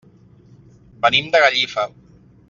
Venim de Gallifa.